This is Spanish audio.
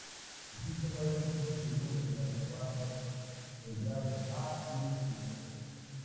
Existen varios tipos según el acabado, el grado A es el mejor.